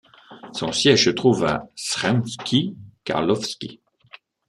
Son siège se trouve à Sremski Karlovci.